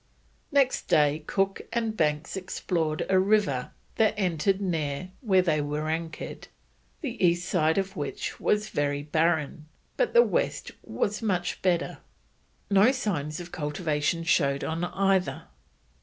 Next day Cook and Banks explored a river that entered near where they were anchored, the east side of which was very barren, but the west was much better, no signs of cultivation showing on either.